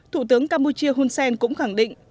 thủ tướng campuchia hun sen cũng khẳng định